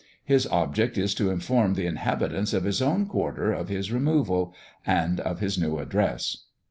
His object is to inform the inhabitants of his own quarter of his removal, and of his new address.